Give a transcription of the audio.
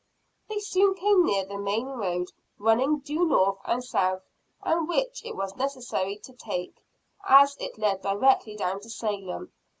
They soon came near the main road, running due north and south, and which it was necessary to take, as it led directly down to Salem.